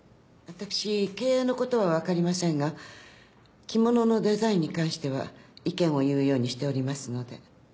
私経営のことはわかりませんが着物のデザインに関しては意見を言うようにしておりますので。